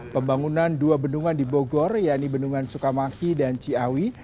pembangunan dua bendungan di bogor yaitu bendungan sukamaki dan ciawi